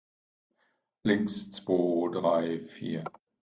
Links, zwo, drei, vier!